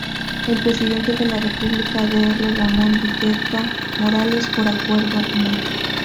El Presidente de la República Dr. Ramón Villeda Morales, por Acuerdo No.